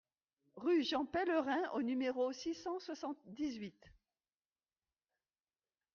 Rue Jean Pellerin au numéro six cent soixante-dix-huit